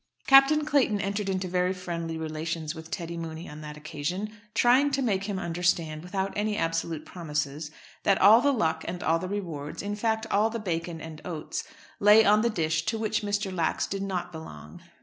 Captain Clayton entered into very friendly relations with Teddy Mooney on that occasion, trying to make him understand, without any absolute promises, that all the luck and all the rewards, in fact, all the bacon and oats, lay on the dish to which Mr. Lax did not belong.